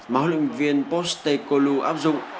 mà huấn luyện viên postekolu áp dụng